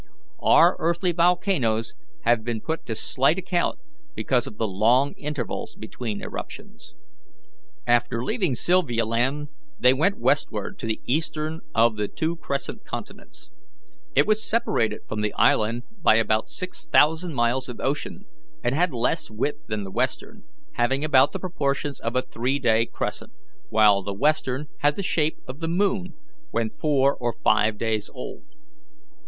Our earthly volcanoes have been put to slight account because of the long intervals between eruptions." After leaving Sylvialand they went westward to the eastern of the two crescent continents. It was separated from the island by about six thousand miles of ocean, and had less width than the western, having about the proportions of a three day crescent, while the western had the shape of the moon when four or five days old.